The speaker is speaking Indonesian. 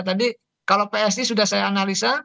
tadi kalau psi sudah saya analisa